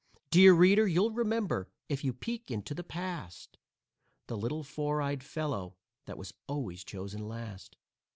Dear reader, you'll remember, if you peek into the past, The little four eyed fellow that was always chosen last.